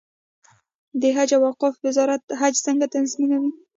د حج او اوقافو وزارت حج څنګه تنظیموي؟